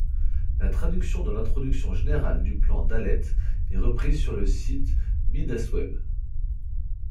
La traduction de l'introduction générale du plan Daleth est reprise sur le site mideastweb.